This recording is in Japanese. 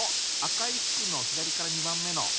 赤い服の左から２番目の。